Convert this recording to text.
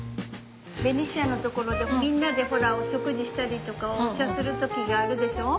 ベニシアのところでみんなでほらお食事したりとかお茶する時があるでしょう？